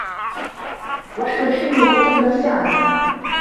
وَحَدُ الْحِلْمِ ضَبْطُ النَّفْسِ عَنْ